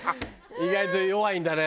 意外と弱いんだね。